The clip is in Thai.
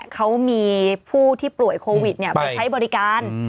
เขามีผู้ที่ป่วยโควิดไปใช้บริการ